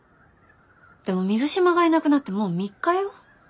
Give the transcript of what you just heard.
でも水島がいなくなってもう３日よ。